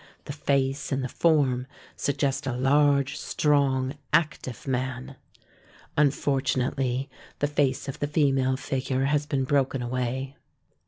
The face and the form suggest a large, strong, active man. Unfortunately the face of the female figure has been broken away.